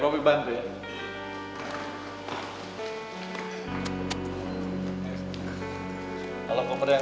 biar lo pembantu ya